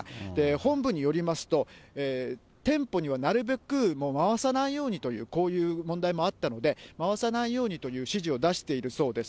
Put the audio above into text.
本部によりますと、店舗にはなるべくもう回さないようにという、こういう問題もあったので、回さないようにという指示を出しているそうです。